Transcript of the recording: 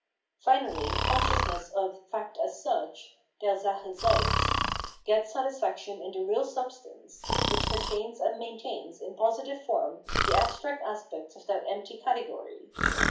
Finally, consciousness of fact as such '' {der Sache selbst) § gets satisfaction in the real substance, which contains and maintains in positive form the abstract aspects of that empty category.